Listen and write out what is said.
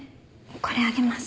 これあげます。